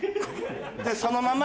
そのまま？